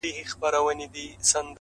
هدف روښانه وي نو قدمونه سمېږي.!